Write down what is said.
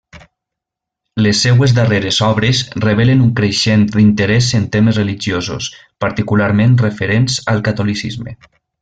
Les seues darreres obres revelen un creixent interès en temes religiosos, particularment referents al catolicisme.